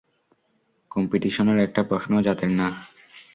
কম্পিটিশনের একটা প্রশ্নও জাতের না।